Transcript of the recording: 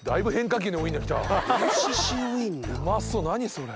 それ。